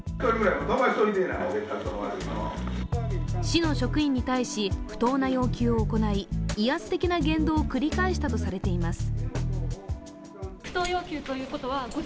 市の職員に対し、不当な要求を行い威圧的な言動を繰り返したとされています。